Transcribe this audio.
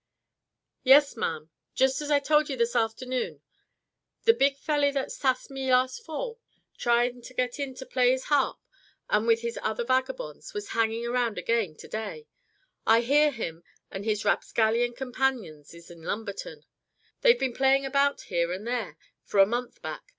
"Sure, ma'am, jest as I told ye this afternoon, the big felly that sassed me last fall, tryin' ter git in ter play his harp, and with his other vagabonds, was hanging around again to day. I hear him an' his rapscallion companions is in Lumberton. They've been playing about here and there, for a month back.